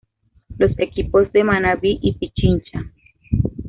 Los equipos de Manabí y Pichincha.